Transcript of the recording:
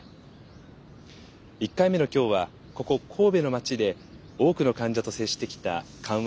１回目の今日はここ神戸の街で多くの患者と接してきた緩和